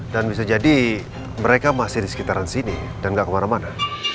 dan bisa jadi mereka masih di sekitaran sini dan gak kemana mana